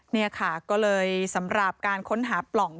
นี่ค่ะก็เลยสำหรับการค้นหาปล่อง